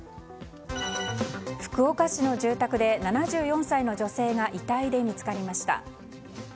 福岡市の住宅で７４歳の女性が遺体で見つかりました。